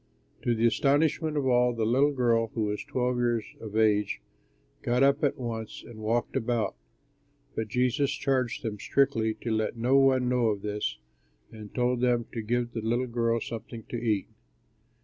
To the astonishment of all, the little girl (who was twelve years of age) got up at once and walked about. But Jesus charged them strictly to let no one know of this, and told them to give the little girl something to eat.